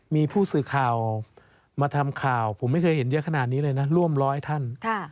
มีผู้สื่อข่าวมาทำข่าวผมไม่เคยเห็นเยอะขนาดนี้เลยนะร่วมร้อยท่าน